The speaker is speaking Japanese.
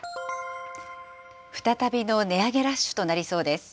再びの値上げラッシュとなりそうです。